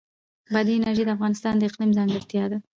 بادي انرژي د افغانستان د اقلیم ځانګړتیا ده.